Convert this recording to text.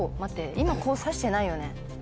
今指してないよね。